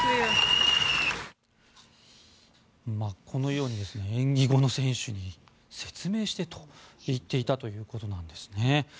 このように演技後の選手に説明して！と言っていたということなんですね。